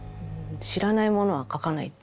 知らないものは描かないっていう。